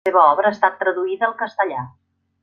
La seva obra ha estat traduïda al castellà.